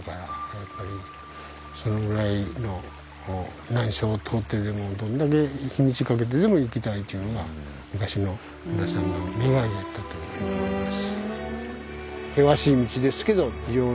やっぱりそのぐらいの難所を通ってでもどんだけ日にちかけてでも行きたいというのが昔の皆さんの願いやったと思います。